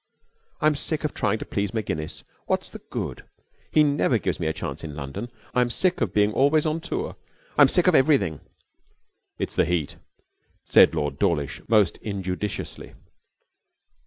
'I'm sick of trying to please Maginnis. What's the good? He never gives me a chance in London. I'm sick of being always on tour. I'm sick of everything.' 'It's the heat,' said Lord Dawlish, most injudiciously.